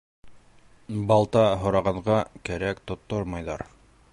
Балта һорағанға кәрәк тоттормайҙар.